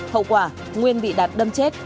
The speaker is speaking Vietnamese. hậu quả nguyên bị đạt đâm chết